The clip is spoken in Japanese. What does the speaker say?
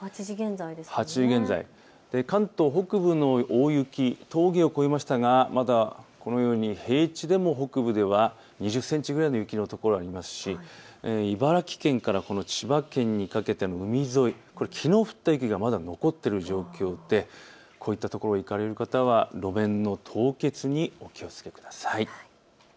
８時現在、関東北部の大雪、峠を越えましたがまだこのように平地でも北部では２０センチぐらいの雪の所ありますし茨城県から千葉県にかけての海沿い、きのう降った雪がまだ残っている状況でこういったところ行かれる方は路面の凍結にお気をつけください。